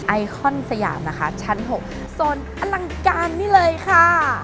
ไอคอนสยามนะคะชั้น๖โซนอลังการนี่เลยค่ะ